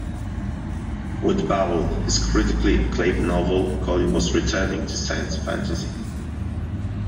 With "Babel", his critically acclaimed novel, Colin was returning to science fantasy.